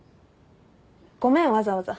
ごめんわざわざ。